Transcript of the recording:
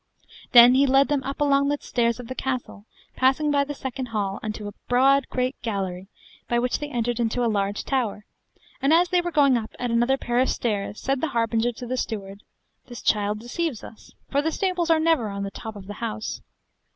Then he led them up along the stairs of the castle, passing by the second hall unto a broad great gallery, by which they entered into a large tower, and as they were going up at another pair of stairs, said the harbinger to the steward, This child deceives us, for the stables are never on the top of the house.